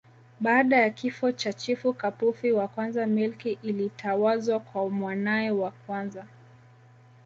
Baada ya kifo cha Chifu Kapufi wa Kwanza milki ilitawazwa kwa mwanae wa kwanza